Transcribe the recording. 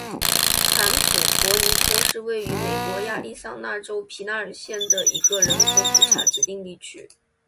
坎普博尼托是位于美国亚利桑那州皮纳尔县的一个人口普查指定地区。